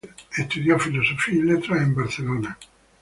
Estudió Filosofía y Letras en Barcelona.